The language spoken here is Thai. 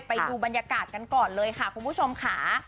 ไปดูบรรยากาศกันก่อนเลยค่ะคุณผู้ชมค่ะ